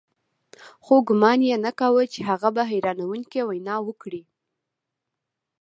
خو ګومان یې نه کاوه چې هغه به حیرانوونکې وینا وکړي